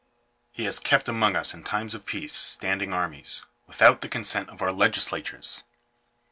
" He has kept among us in times of peace standing armies, without the consent of our legislatures.